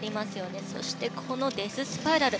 そして、このデススパイラル。